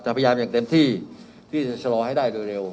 พยายามอย่างเต็มที่ที่จะชะลอให้ได้โดยเร็ว